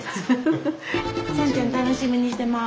さんちゃん楽しみにしてます。